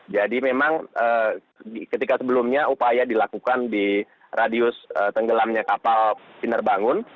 jadi memang ketika sebelumnya upaya dilakukan di radius tenggelamnya kapal pinerbangun